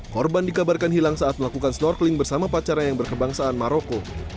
korban dikabarkan hilang saat melakukan snorkeling bersama pacara yang berkebangsaan maroko